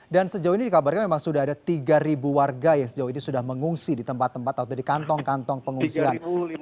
dan sejauh ini dikabarkan memang sudah ada tiga warga yang sejauh ini sudah mengungsi di tempat tempat atau di kantong kantong pengungsian